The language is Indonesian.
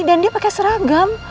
dan dia pake seragam